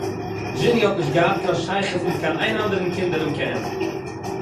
דזשיני האָט נישט געהאַט קיין שייכות מיט קיין איין אַנדערן קינד אינעם קעמפּ